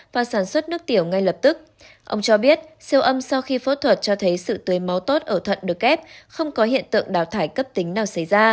bác sĩ quân cho biết siêu âm sau khi phẫu thuật cho thấy sự tuyến máu tốt ở thận được ghép không có hiện tượng đào thải cấp tính nào xảy ra